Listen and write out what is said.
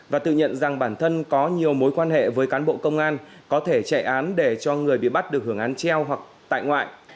và tự nhận rằng bản thân có nhiều mối quan hệ với cán bộ công an có thể chạy án để cho người bị bắt được hưởng án treo hoặc tại ngoại